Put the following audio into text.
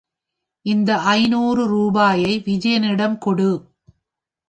இந்த ஐநூறு ரூபாயை விஜயனிடம் கொடு.